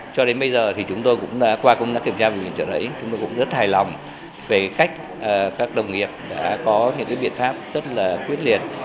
cho đến bây giờ thì chúng tôi cũng đã qua công tác kiểm tra về những chuyện ấy chúng tôi cũng rất hài lòng về cách các đồng nghiệp đã có những biện pháp rất là quyết liệt